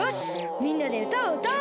みんなでうたをうたおう！